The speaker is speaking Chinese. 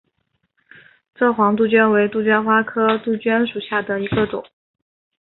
蔗黄杜鹃为杜鹃花科杜鹃属下的一个种。